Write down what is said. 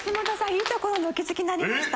いいところにお気づきになりました。